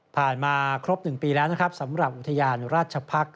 มาครบ๑ปีแล้วนะครับสำหรับอุทยานราชพักษ์